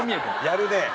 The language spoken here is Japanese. やるねぇ。